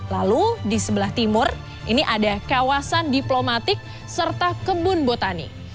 lalu di sebelah timur ini ada kawasan diplomatik serta kebun botani